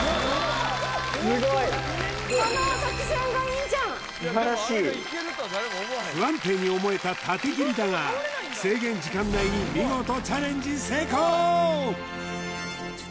すごい素晴らしい不安定に思えた縦切りだが制限時間内に見事チャレンジ成功！